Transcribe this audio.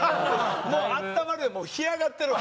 もうあったまるより干上がってるわ。